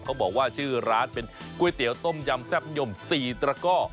บอกว่าชื่อร้านเป็นก๋วยเตี๋ยวต้มยำแซ่บยม๔ตระก้อ